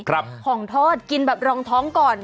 ของทอดกินแบบรองท้องก่อน